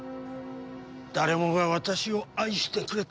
誰もが私を愛してくれた。